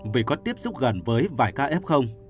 vì có tiếp xúc gần với vài ca f